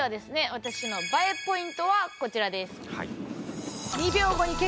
私のＢＡＥポイントはこちらです。